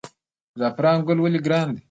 زعفران ګل ولې ګران دی؟